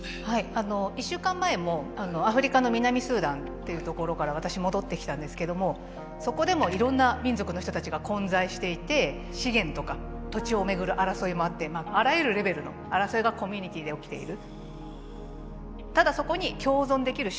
あの１週間前もアフリカの南スーダンっていう所から私戻ってきたんですけどもそこでもいろんな民族の人たちが混在していて資源とか土地を巡る争いもあってあらゆるレベルの争いがコミュニティーで起きている。